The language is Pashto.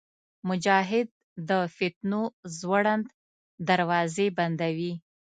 مجاهد د فتنو زوړند دروازې بندوي.